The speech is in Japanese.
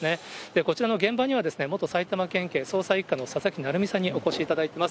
こちらの現場には、元埼玉県警捜査１課の佐々木成三さんにお越しいただいています。